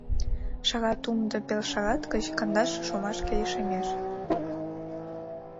Шагат умдо пел шагат гыч кандаше шумашке лишемеш.